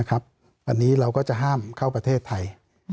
อันนี้เราก็จะห้ามเข้าประเทศไทย